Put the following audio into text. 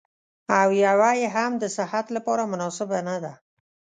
او يوه يې هم د صحت لپاره مناسبه نه ده.